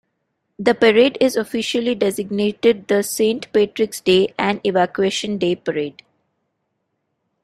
The parade is officially designated the Saint Patrick's Day and Evacuation Day Parade.